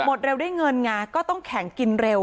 หมดเร็วได้เงินไงก็ต้องแข็งกินเร็ว